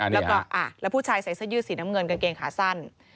แล้วก็แล้วผู้ชายใส่เสื้อยืดสีน้ำเงินกางเกงขาสั้น